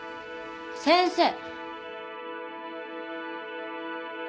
先生！